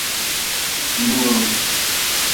Doorm.